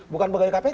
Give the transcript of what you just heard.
bukan pegawai kpk